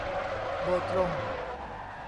โดยตรง